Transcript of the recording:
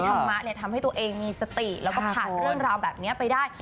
ธรรมะเนี่ยทำให้ตัวเองมีสติแล้วก็ผ่านเรื่องราวแบบนี้ไปได้